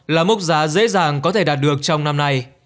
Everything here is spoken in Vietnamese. là mốc giá dễ dàng có thể đạt được trong năm nay